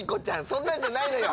そんなんじゃないのよ。